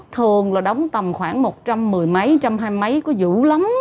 thường là đóng tầm khoảng một trăm một mươi mấy một trăm hai mươi mấy có dũ lắm